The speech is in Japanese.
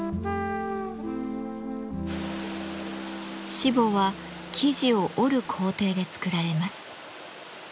しぼは生地を織る工程で作られます。